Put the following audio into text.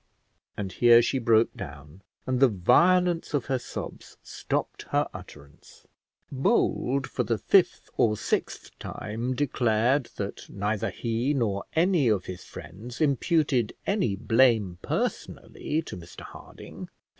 and here she broke down, and the violence of her sobs stopped her utterance. Bold, for the fifth or sixth time, declared that neither he nor any of his friends imputed any blame personally to Mr Harding.